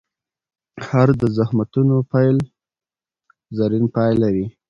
هر د زخمتونو پیل؛ زرین پای لري.